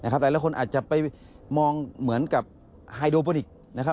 หลายละคนอาจจะไปมองเหมือนกับไฮโดปอลิก